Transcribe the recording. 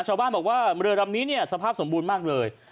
ชาวบ้านบอกว่าเรือลำนี้เนี่ยสภาพสมบูรณ์มากเลย